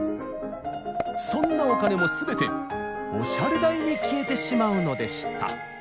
そんなお金も全てオシャレ代に消えてしまうのでした。